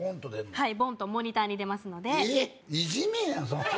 はいボンとモニターに出ますのでえーっ！？